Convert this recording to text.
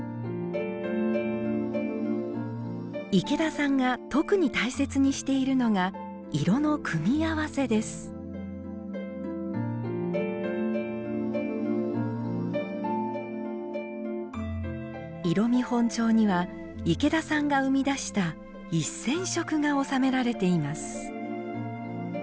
池田さんが特に大切にしているのが色の組み合わせです色見本帳には池田さんが生み出した１，０００色が収められています